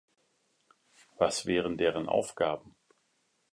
Was wären deren Aufgaben?